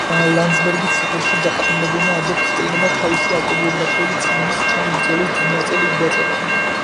ლანდსბერგის ციხეში დაპატიმრებულმა ადოლფ ჰიტლერმა თავისი ავტობიოგრაფიული წიგნის, „ჩემი ბრძოლის“ დიდი ნაწილი იქ დაწერა.